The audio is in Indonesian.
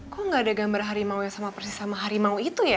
kok gak ada gambar harimau yang sama persis sama harimau itu ya